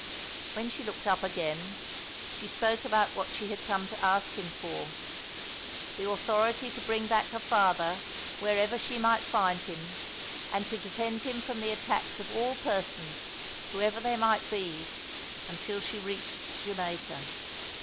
When she looked up again she spoke about what she had come to ask him for; the authority to bring back her father wherever she might find him, and to defend him from the attacks of all persons, whoever they might be, until she reached Jamaica.